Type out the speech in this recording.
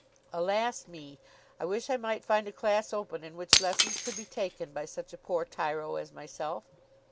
Alas, me! I wish I might find a class open in which lessons could be taken by such a poor tyro as myself.